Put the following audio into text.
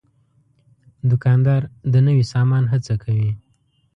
دوکاندار د نوي سامان هڅه کوي.